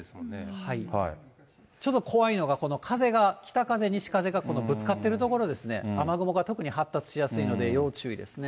ちょっと怖いのが、この風が北風、西風がぶつかってる所ですね、雨雲がとくに発達しやすいので要注意ですね。